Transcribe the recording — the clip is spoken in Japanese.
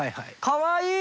かわいい！